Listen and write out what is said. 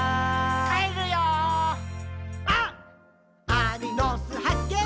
アリの巣はっけん